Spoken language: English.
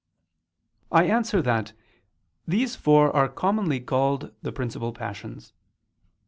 I answer that, These four are commonly called the principal passions.